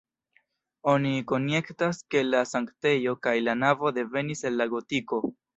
Oni konjektas, ke la sanktejo kaj la navo devenis el la gotiko.